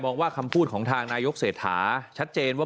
มองว่าคำพูดของทางนายยกเสถาชัดเจนว่า